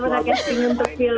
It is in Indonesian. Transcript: saya pernah casting untuk film